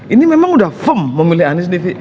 ini memang sudah fem memilih anies divi